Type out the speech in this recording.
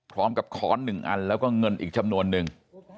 พร้อมกับขอน๑อันแล้วก็เงินอีกชำนวนหนึ่ง